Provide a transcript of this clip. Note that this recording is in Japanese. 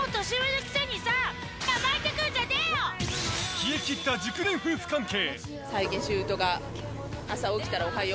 冷え切った熟年夫婦関係。